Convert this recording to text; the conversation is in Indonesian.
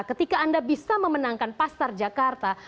ketika anda bisa memenangkan pasar jakarta